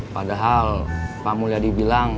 padahal pak mulia dibilang